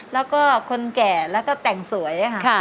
และก็คนแก่และก็แต่งสวยอะค่ะ